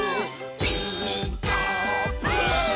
「ピーカーブ！」